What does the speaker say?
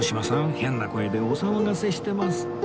変な声でお騒がせしてます